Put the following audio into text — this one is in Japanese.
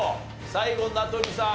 最後名取さん